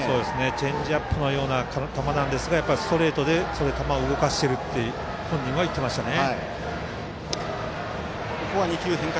チェンジアップのような球なんですが、ストレートで球を動かしていると本人は言ってましたね。